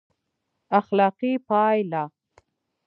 اخلاقي پایله: